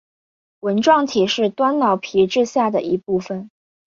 纹状体是端脑皮质下的一部份。